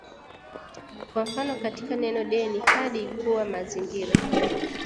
Kwa mfano katika neno deni hadi kuwa mazingira